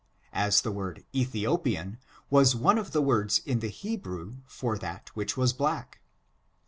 as the word Ethiopian was one of the words in the Hebrew for that which was black.